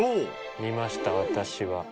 見ました私は。